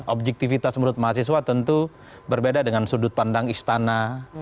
objektivitas menurut mahasiswa tentu berbeda dengan sudut pandang istana